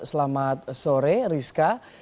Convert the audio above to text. selamat sore rizka